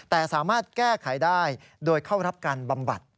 แต่สามารถแก้ไขได้โดยเข้ารับการบำบัด